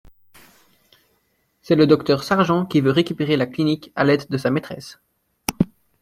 C'est le docteur Sargent qui veut récupérer la clinique, à l'aide de sa maîtresse.